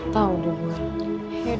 gak tau dia bener